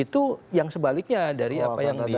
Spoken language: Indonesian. itu yang sebaliknya dari apa yang di